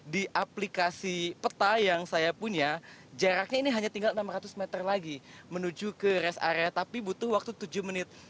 di aplikasi peta yang saya punya jaraknya ini hanya tinggal enam ratus meter lagi menuju ke rest area tapi butuh waktu tujuh menit